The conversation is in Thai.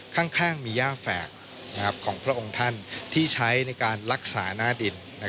ข้างมีย่าแฝกของพระองค์ท่านที่ใช้ในการรักษาหน้าดิน